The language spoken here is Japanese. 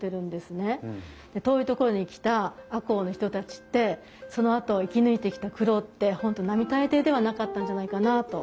遠い所に来た赤穂の人たちってそのあと生き抜いてきた苦労って本当並大抵ではなかったんじゃないかなあと。